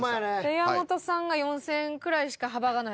岩本さんが４，０００円くらいしか幅がない。